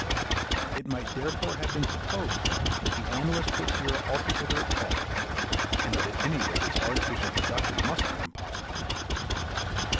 It might therefore have been supposed that the analyst was here altogether at fault, and that at any rate its artificial production must be impossible.